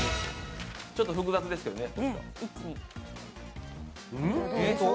ちょっと複雑ですけどね。